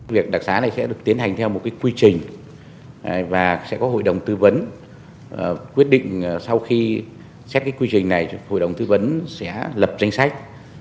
việc đặc xá này sẽ được tiến hành theo một cái quy trình và sẽ có hội đồng tư vấn quyết định sau khi xét cái quy trình này hội đồng tư vấn sẽ lập danh sách